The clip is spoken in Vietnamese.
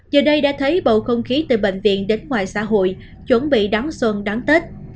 giờ đây đã thấy bầu không khí từ bệnh viện đến ngoài xã hội chuẩn bị đón xuân đón tết